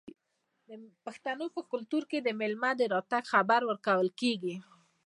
د پښتنو په کلتور کې د میلمه د راتګ خبر ورکول کیږي.